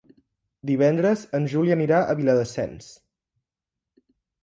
Divendres en Juli anirà a Viladasens.